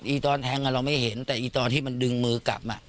ตอนแทงเราไม่เห็นแต่อีตอนที่มันดึงมือกลับ